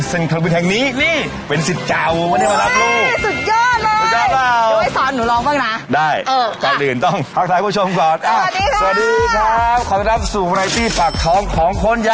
เส้นขี้ไปด้วย